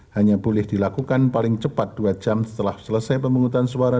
hanya boleh dilakukan paling cepat dua jam setelah selesai pemungutan suara